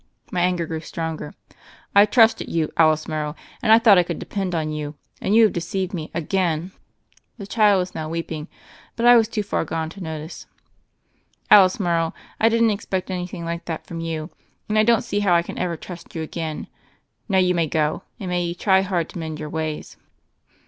My anger grew stronger. "I trusted you, Alice Morrow, and I thought I could depend on you. And you have deceived me again/^ The child was now weeping, but I was too far gone to notice. "Alice Morrow, I didn't expect anything like that from you; and I don't see how I can ever trust you again. Now you may go, and may you try hard to mend your ways."